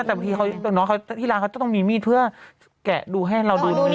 แต่บางทีที่ร้านเขาจะต้องมีมีดเพื่อแกะดูให้เราดูตรงนี้